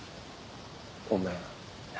ごめん。